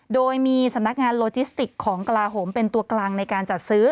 โดยมีสำนักงานโลจิสติกของกลาโหมเป็นตัวกลางในการจัดซื้อ